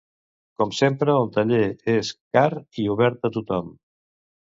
Com sempre el taller és car i obert a tothom.